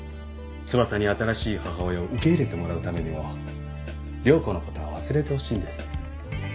翼に新しい母親を受け入れてもらうためにも涼子の事は忘れてほしいんです。